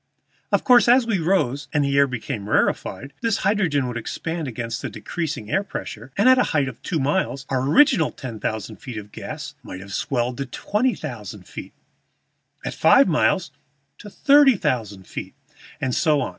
Of course as we rose and the air became rarefied this hydrogen would expand against the decreasing air pressure, and at a height of two miles our original ten thousand feet of gas might have swelled to twenty thousand feet, at five miles to thirty thousand feet, and so on.